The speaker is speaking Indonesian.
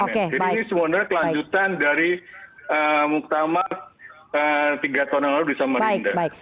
jadi ini semuanya adalah kelanjutan dari muktamar tiga tahun yang lalu di samarinda